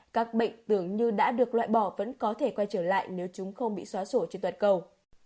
các bệnh tưởng như đã được loại bỏ vẫn có thể quay trở lại nếu chúng không bị xóa sổ trên toàn cầu